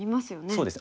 そうです。